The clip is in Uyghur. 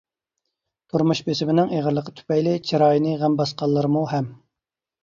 تۇرمۇش بېسىمىنىڭ ئېغىرلىقى تۈپەيلى چىرايىنى غەم باسقانلارمۇ ھەم.